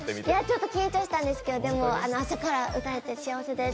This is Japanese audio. ちょっと緊張したんですけど朝から歌えて幸せです。